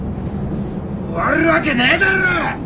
終わるわけねえだろ！